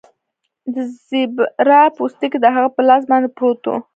د زیبرا پوستکی د هغه په لاس باندې پروت و